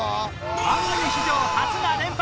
番組史上初が連発